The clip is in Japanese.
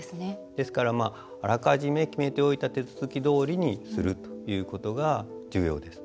ですからあらかじめ決めておいた手続きどおりにするということが重要です。